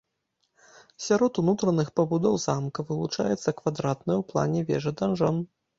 Сярод унутраных пабудоў замка вылучаецца квадратная ў плане вежа-данжон.